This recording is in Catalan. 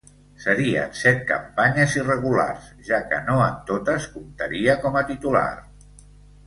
Serien set campanyes irregulars, ja que no en totes comptaria com a titular.